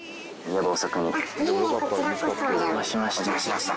お邪魔しました。